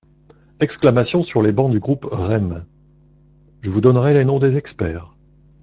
(Exclamations sur les bancs du groupe REM.) Je vous donnerai les noms des experts.